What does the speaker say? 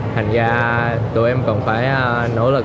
thành ra tụi em còn phải nỗ lực